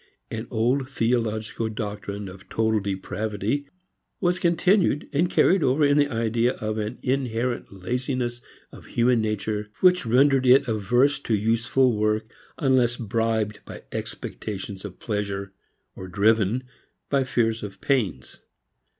An old theological doctrine of total depravity was continued and carried over in the idea of an inherent laziness of human nature which rendered it averse to useful work, unless bribed by expectations of pleasure, or driven by fears of pains.